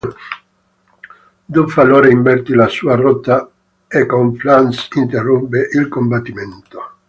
Duff allora invertì la sua rotta e Conflans interruppe il combattimento.